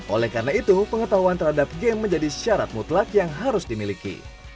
oleh karena itu pengetahuan terhadap game menjadi syarat mutlak yang harus dimiliki